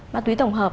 ma túy tổng hợp